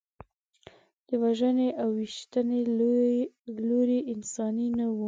د وژنې او ویشتنې لوری انساني نه و.